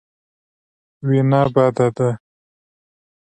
وېنه بده ده.